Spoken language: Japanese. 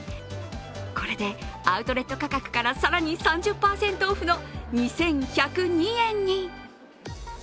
これでアウトレット価格から更に３０％オフの２１０２円に。